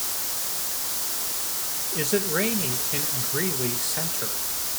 Is it rainy in Greely Center?